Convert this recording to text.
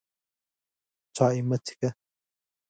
چای مه څښه!